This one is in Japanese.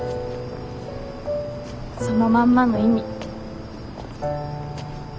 そのまんまの意味。